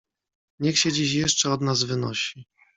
"Niech się dziś jeszcze od nas wynosi."